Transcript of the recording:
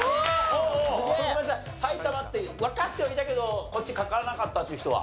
埼玉ってわかってはいたけどこっち書かなかったっていう人は？